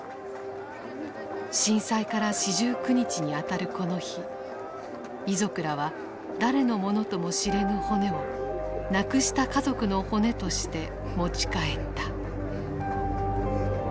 震災から四十九日にあたるこの日遺族らは誰のものとも知れぬ骨を亡くした家族の骨として持ち帰った。